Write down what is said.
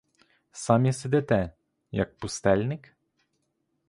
Самі сидите, як пустельник?